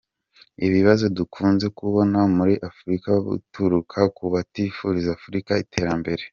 “Ibibazo dukunze kubona muri Afurika buturuka ku batifuriza Afurika iterambere.